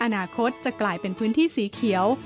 อนาคตจะกลายเป็นพื้นที่สีเขียว